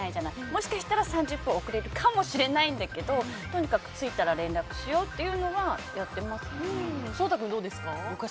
もしかしたら３０分遅れるかもしれないんだけどとにかく着いたら連絡しようと颯太君はどうですか？